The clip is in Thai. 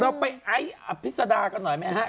รับดัวไปไซป์อภิษฎากันหน่อยมั้ยฮะ